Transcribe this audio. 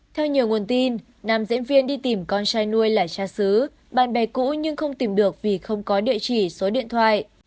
theo nhiều nguồn tin nam diễn viên đi tìm con trai nuôi là cha xứ bạn bè cũ nhưng không tìm được vì không có địa chỉ số điện thoại